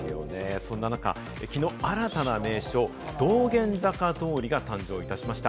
そんな中、きのう、新たな名所、道玄坂通が誕生いたしました。